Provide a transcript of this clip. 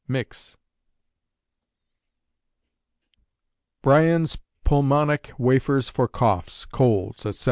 Mix. _Bryan's Pulmonic Wafers for Coughs, Colds, Etc.